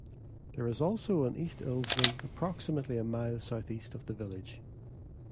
There is also an East Ilsley approximately a mile southeast of the village.